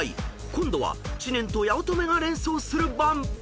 ［今度は知念と八乙女が連想する番］